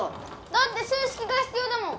だって数式が必要だもん。